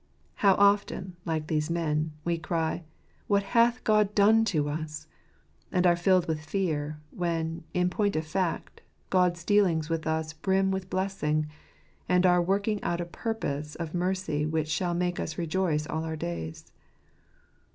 How often, like these men, we cry, " What hath God done to us ?" and are filled with fear, when, in point of fact, God's dealings with us brim with blessing, and are working out a purpose of mercy which shall make us rejoice all our days.